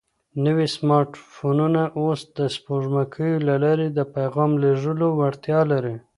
نوي سمارټ فونونه اوس د سپوږمکیو له لارې د پیغام لېږلو وړتیا لري.